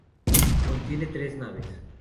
Contiene tres naves.